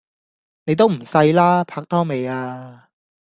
你都唔細啦！拍拖未呀